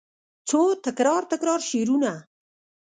څو تکرار، تکرار شعرونه